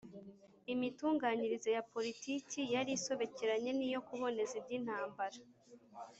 Imitunganyirize ya politiki yari isobekeranye n'iyo kuboneza iby'intambara